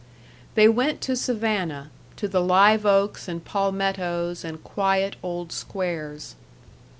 They went to Savannah, to the live oaks and palmettoes and quiet old squares.